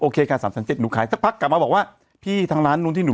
เคค่ะ๓๗๐หนูขายสักพักกลับมาบอกว่าพี่ทางร้านนู้นที่หนู